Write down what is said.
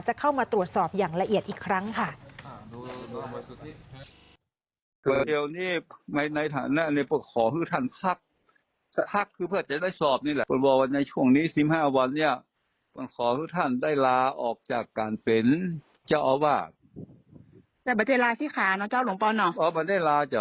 จะเข้ามาตรวจสอบอย่างละเอียดอีกครั้งค่ะ